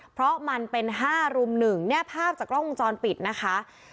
เพราะมันเป็น๕รุม๑เนี่ยภาพจากกล้องวงจรปิดนะคะ